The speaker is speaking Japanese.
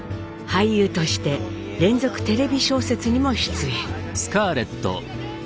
俳優として連続テレビ小説にも出演。